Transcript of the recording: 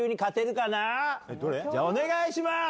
じゃあお願いします。